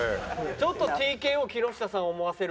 ちょっとＴＫＯ木下さんを思わせる。